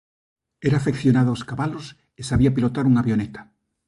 Era afeccionado aos cabalos e sabía pilotar unha avioneta.